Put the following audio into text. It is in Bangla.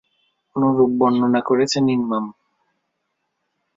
অনুরূপ বর্ণনা করেছেন ইমাম।